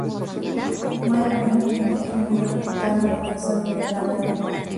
Fue al mismo tiempo un reputado profesor y pedagogo.